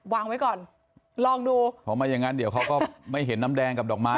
วางไว้ก่อนลองดูเพราะไม่อย่างนั้นเดี๋ยวเขาก็ไม่เห็นน้ำแดงกับดอกไม้